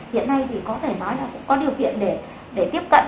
hiện nay thì có thể nói là cũng có điều kiện để tiếp cận